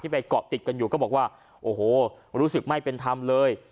ไปเกาะติดกันอยู่ก็บอกว่าโอ้โหรู้สึกไม่เป็นธรรมเลย